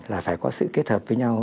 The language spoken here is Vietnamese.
là phải có sự kết hợp với nhau